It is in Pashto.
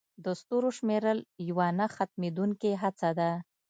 د ستورو شمیرل یوه نه ختمېدونکې هڅه ده.